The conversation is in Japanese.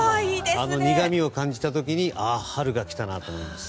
あの苦みを感じるとああ、春が来たなと感じます。